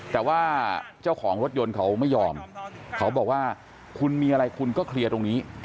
แต่ว่าเจ้าของรถยนต์เขาไม่ยอมเขาบอกว่าคุณมีอะไรคุณก็เคลียร์ตรงนี้